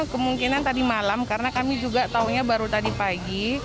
kemungkinan tadi malam karena kami juga tahunya baru tadi pagi